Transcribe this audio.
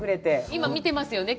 今、見てますよね。